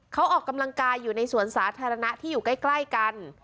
เขาออกกำลังกายอยู่ในสวนสาธารณะที่อยู่ใกล้กัน